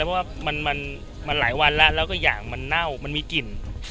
ว่ามันหลายวันแล้วก็อย่างมันเน่ามันมีกลิ่น